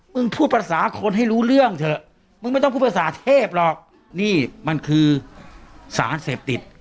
พูดภาษาคนให้รู้เรื่องเถอะมึงไม่ต้องพูดภาษาเทพหรอกนี่มันคือสารเสพติด